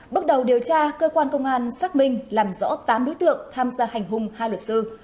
bước đầu điều tra cơ quan công an xác minh làm rõ tám đối tượng tham gia hành hung hai luật sư